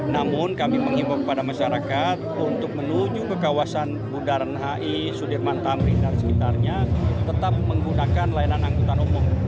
namun kami mengimbau kepada masyarakat untuk menuju ke kawasan bundaran hi sudirman tamrin dan sekitarnya tetap menggunakan layanan angkutan umum